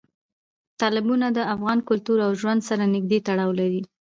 تالابونه د افغان کلتور او ژوند سره نږدې تړاو لري.